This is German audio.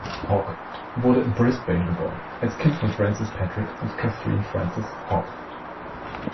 Hogg wurde in Brisbane geboren, als Kind von Francis Patrick und Catherine Frances Hogg.